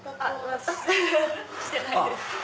してないです。